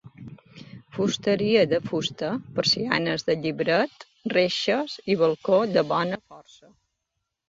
Fusteria de fusta, persianes de llibret, reixes i balcó de bona forja.